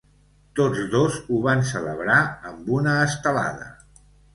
Tots dos ho van celebrar amb una estelada.